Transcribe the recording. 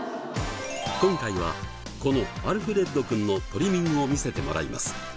今回はこのアルフレッドくんのトリミングを見せてもらいます。